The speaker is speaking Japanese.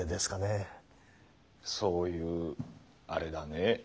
そういうアレだね。